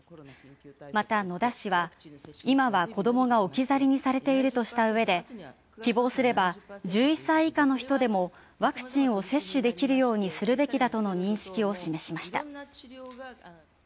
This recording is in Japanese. また、野田氏は「いまは子どもが置き去りにされている」とした上で希望すれば１１歳以下の人でもワクチンを接種できるようにするべきだとの認識を示しました。